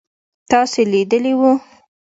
تا لیدلی و